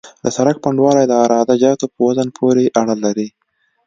د سرک پنډوالی د عراده جاتو په وزن پورې اړه لري